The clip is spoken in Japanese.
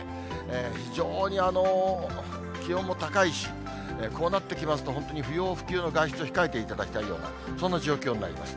非常に気温も高いし、こうなってきますと、本当に不要不急の外出を控えていただきたいような、そんな状況になります。